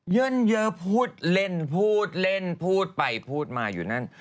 เยิ่นเยอะพูดเล่นพูดไปพูดมาอยู่นั่น